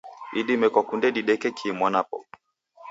Idime kwakunde dideke kii mwanapo?